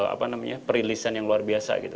apa namanya perilisan yang luar biasa gitu